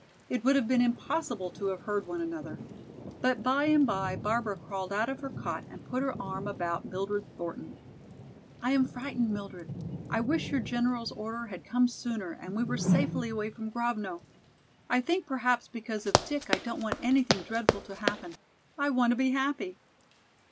It would have been impossible to have heard one another. But by and by Barbara crawled out of her cot and put her arm about Mildred Thornton. "I am frightened, Mildred. I wish your General's order had come sooner and we were safely away from Grovno. I think perhaps because of Dick I don't want anything dreadful to happen. I want to be happy."